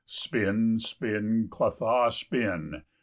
20 Spin, spin, Clotho, spin!